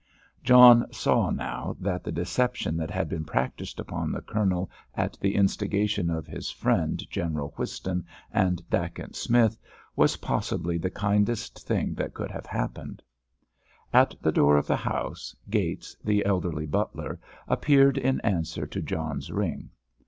John saw now that the deception that had been practised upon the Colonel at the instigation of his friend, General Whiston, and Dacent Smith, was possibly the kindest thing that could have happened. At the door of the house, Gates, the elderly butler, appeared in answer to John's ring.